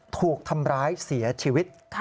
ถูกทำร้ายเสียชีวิต